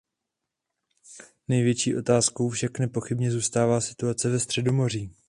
Největší otázkou však nepochybně zůstává situace ve Středomoří.